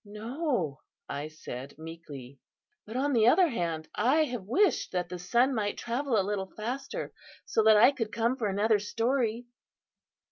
"No," I said, meekly, "but, on the other hand, I have wished that the sun might travel a little faster, so that I could come for another story."